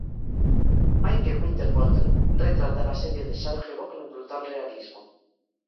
Michael Winterbottom retrata el asedio de Sarajevo con un brutal realismo.